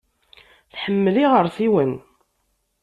Tḥemmel iɣersiwen.